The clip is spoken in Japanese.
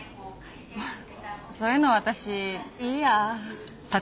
そういうの私いいや。